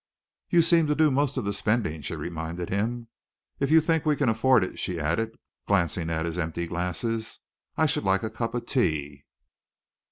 "You seem to do most of the spending," she reminded him. "If you think that we can afford it," she added, glancing at his empty glasses, "I should like a cup of tea."